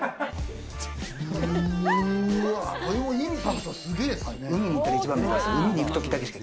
これもインパクトすごいですね。